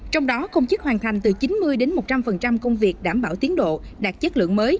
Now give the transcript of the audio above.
trong đó công chức hoàn thành từ chín mươi một trăm linh công việc đảm bảo tiến độ đạt chất lượng mới